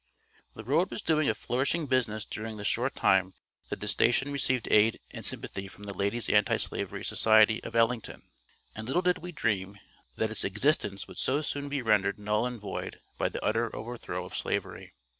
The road was doing a flourishing business during the short time that this station received aid and sympathy from the Ladies' Anti slavery Society of Ellington, and little did we dream that its existence would so soon be rendered null and void by the utter overthrow of Slavery.